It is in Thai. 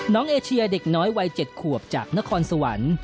เอเชียเด็กน้อยวัย๗ขวบจากนครสวรรค์